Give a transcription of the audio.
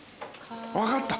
分かった！